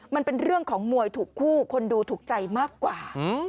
มันเป็นเรื่องของมวยถูกคู่คนดูถูกใจมากกว่า